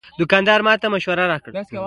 دوکاندار ماته ښه مشوره راکړه.